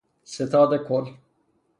ستاد کل